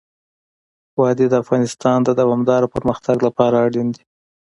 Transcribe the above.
وادي د افغانستان د دوامداره پرمختګ لپاره اړین دي.